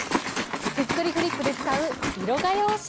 手作りフリップで使う色画用紙。